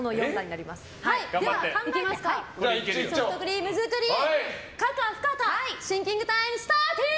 ソフトクリーム作り可か不可かシンキングタイムスターティン！